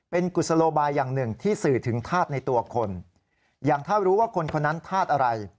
เป็นกุศโลบายอย่างหนึ่งที่สื่อถึงธาตุในตัวคนอย่างถ้ารู้ว่าคนคนนั้นธาตุอะไร